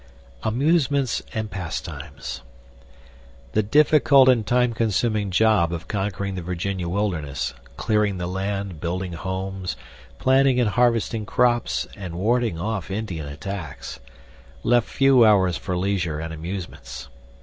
Amusements and Pastimes The difficult and time consuming job of conquering the Virginia wilderness (clearing the land, building homes, planting and harvesting crops, and warding off Indian attacks) left few hours for leisure and amusements.